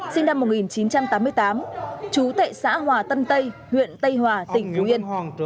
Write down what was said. sinh năm một nghìn chín trăm tám mươi tám chú tệ xã hòa tân tây huyện tây hòa tỉnh phú yên